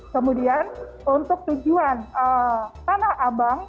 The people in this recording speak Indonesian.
kemudian untuk tujuan tanah abang